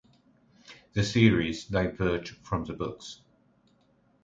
The series diverged from the books.